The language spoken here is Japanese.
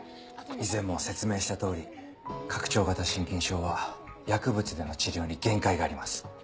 以前も説明した通り拡張型心筋症は薬物での治療に限界があります。